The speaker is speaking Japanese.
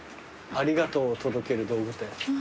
ありがとうを届ける道具店。